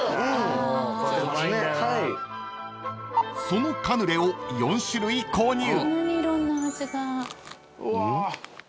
［そのカヌレを４種類購入］